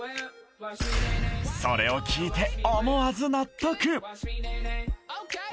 それを聞いて思わず納得